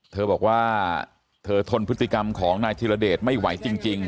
เธอบอกว่าเธอทนพฤติกรรมของนายธิรเดชไม่ไหวจริง